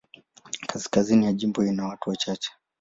Kaskazini ya jimbo ina watu wachache.